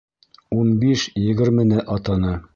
Ун биш-егермене атаны.